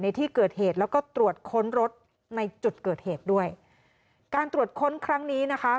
ในที่เกิดเหตุแล้วก็ตรวจค้นรถในจุดเกิดเหตุด้วยการตรวจค้นครั้งนี้นะคะ